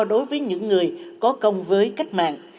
đối với những người có công với cách mạng